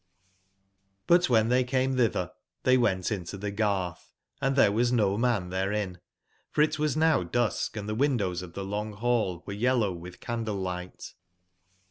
CTCwben tbey came tbitber tbey went into tbe gartb, & tbere was no man tberein, for it was now dusk, and tbe windows of tbe long ball wereyellowwitbcandle/ligbt.